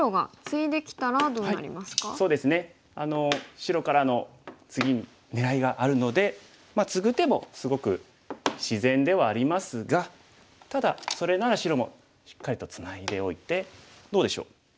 白からの次に狙いがあるのでツグ手もすごく自然ではありますがただそれなら白もしっかりとツナいでおいてどうでしょう？